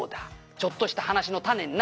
ちょっとした話の種になるだろう」